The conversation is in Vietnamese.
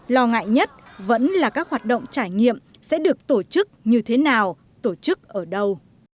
lo ngại nhất vẫn là các hoạt động trải nghiệm sẽ được tổ chức như thế nào tổ chức ở đâu